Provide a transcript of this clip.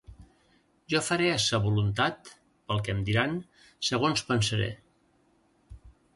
Jo faré a sa voluntat, pel que em diran, segons pensaré.